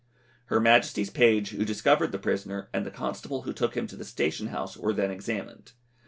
Her Majesty's page, who discovered the prisoner, and the constable who took him to the station house, were then examined.